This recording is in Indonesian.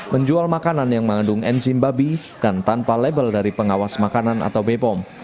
menjual makanan yang mengandung enzim babi dan tanpa label dari pengawas makanan atau bepom